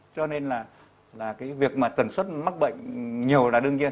cho nên là việc tần suất mắc bệnh nhiều là đương nhiên